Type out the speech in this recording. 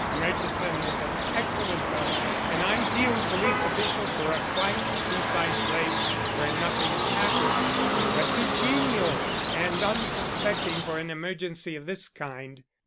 "Murchison is an excellent fellow an ideal police official for a quiet seaside place where nothing happens, but too genial and unsuspecting for an emergency of this kind.